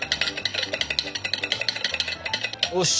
よし。